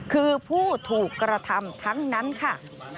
คือผู้ถูกกระทำทั้งนั้นค่ะ